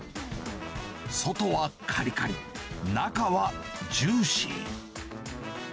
外はかりかり、中はジューシー。